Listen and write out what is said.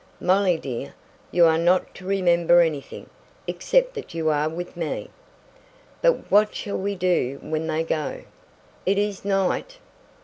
"Molly, dear! You are not to remember anything except that you are with me!" "But what shall we do when they go? It is night!"